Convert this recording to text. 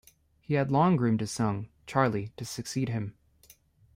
He had long groomed his son, Charlie, to succeed him.